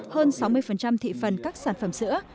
hơn sáu mươi thị phần các sản phẩm sữa